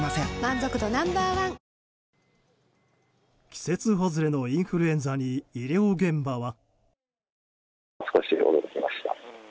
季節外れのインフルエンザに医療現場は。